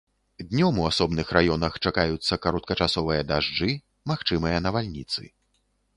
Днём у асобных раёнах чакаюцца кароткачасовыя дажджы, магчымыя навальніцы.